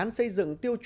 đề án xây dựng tiêu chí